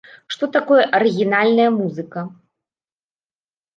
Што такое арыгінальная музыка?